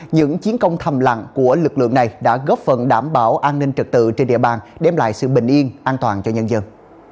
những chiến công thầm lặng của lực lượng này đã góp phần đảm bảo an ninh trật tự trên địa bàn đem lại sự bình yên an toàn cho nhân dân